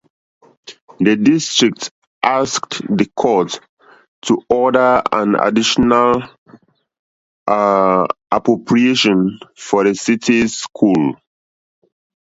The district asked the court to order an additional appropriation for the city's schools.